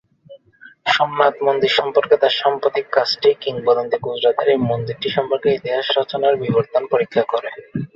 সোমনাথ মন্দির সম্পর্কে তাঁর সাম্প্রতিক কাজটি, কিংবদন্তি গুজরাতের এই মন্দিরটি সম্পর্কে ইতিহাস-রচনার বিবর্তন পরীক্ষা করে।